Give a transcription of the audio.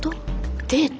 デート？